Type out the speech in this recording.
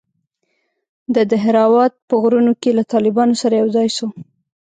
د دهراوت په غرونوکښې له طالبانو سره يوځاى سو.